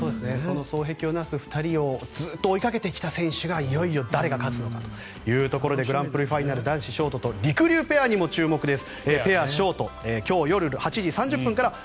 双璧をなす２人をずっと追いかけてきた選手がいよいよ誰が勝つのかというところでグランプリファイナル男子ショートとりくりゅうペアにも注目です。